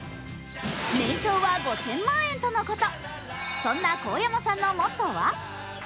年商は５０００万円とのこと。